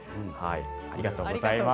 ありがとうございます。